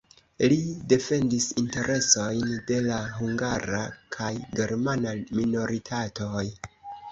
Li defendis interesojn de la hungara kaj germana minoritatoj.